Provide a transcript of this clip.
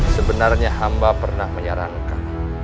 sebenarnya hamba pernah menyarankan